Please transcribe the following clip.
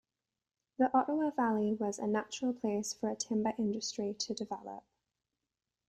The Ottawa Valley was a natural place for a timber industry to develop.